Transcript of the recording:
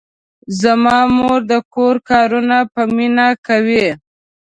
زما مور د کور کارونه په مینه کوي.